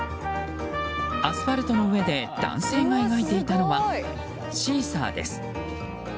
アスファルトの上で男性が描いていたのはシーサーです。